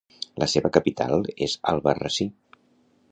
La seva capital és Albarrasí.